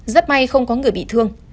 rất may không có người bị thương